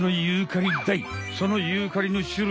そのユーカリの種類